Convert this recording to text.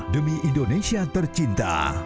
demi indonesia tercinta